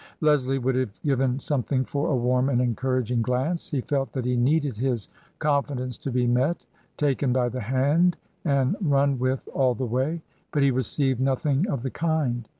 Leslie would have given something for a warm and encouraging glance. He felt that he needed his confi dence to be met, taken by the hand, and run with all the way. But he received nothing of the kind.